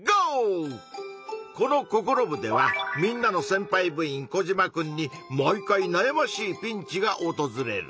このココロ部ではみんなのせんぱい部員コジマくんに毎回なやましいピンチがおとずれる。